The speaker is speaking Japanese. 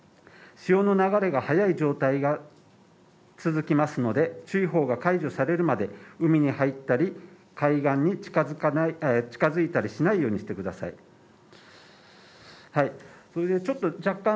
潮の流れが速い状態が続きますので、注意報が解除されるまで海に入ったり、海岸に近づかない近づいたりしないようにしてください。